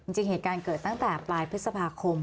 จริงเหตุการณ์เกิดตั้งแต่ปลายพฤษภาคม